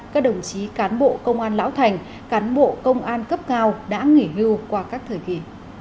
các đồng chí cán bộ công an lão thành cán bộ công an cấp cao đã nghỉ hưu qua các thời kỳ